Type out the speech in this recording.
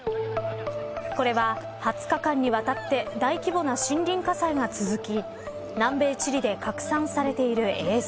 これは、２０日間にわたって大規模な森林火災が続き南米チリで拡散されている映像。